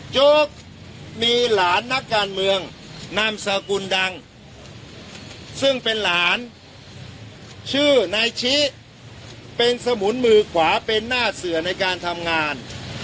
โจ๊กมีหลานนักการเมืองนามสกุลดังซึ่งเป็นหลานชื่อนายชิเป็นสมุนมือขวาเป็นหน้าเสือในการทำงาน